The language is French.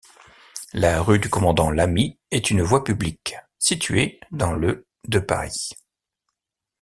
La rue du Commandant-Lamy est une voie publique située dans le de Paris.